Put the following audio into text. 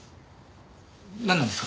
なんなんですか？